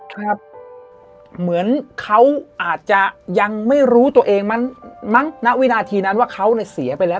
ครับเหมือนเขาอาจจะยังไม่รู้ตัวเองมั้งณวินาทีนั้นว่าเขาเนี่ยเสียไปแล้ว